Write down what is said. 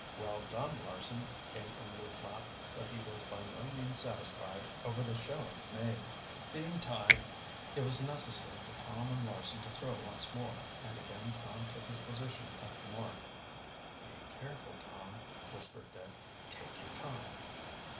"Well done, Larson!" came from Lew Flapp, but he was by no means satisfied over the showing made. Being tied, it was necessary for Tom and Larson to throw once more, and again Tom took his position at the mark. "Be careful, Tom," whispered Dick. "Take your time."